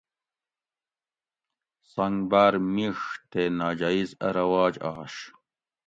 سنگ باۤر میڛ تے ناجایٔز اۤ رواج آش